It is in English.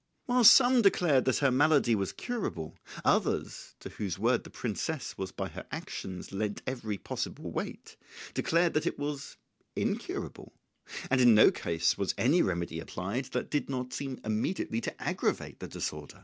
While some declared that her malady was curable, others, to whose word the princess by her actions lent every possible weight, declared that it was incurable; and in no case was any remedy applied that did not seem immediately to aggravate the disorder.